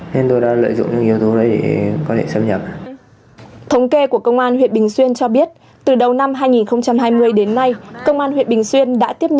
nên tôi đã lợi dụng những yếu tố đấy để có thể xâm nhập